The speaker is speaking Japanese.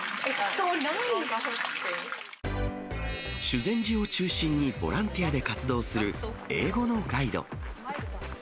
修善寺を中心に、ボランティアで活動する英語のガイド。